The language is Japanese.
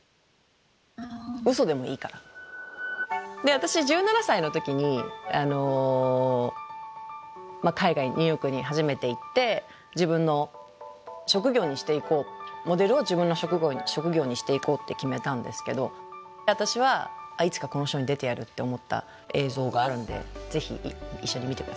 私１７歳の時に海外ニューヨークに初めて行って自分の職業にしていこうモデルを自分の職業にしていこうって決めたんですけど私はいつかこのショーに出てやるって思った映像があるんでぜひ一緒に見て下さい。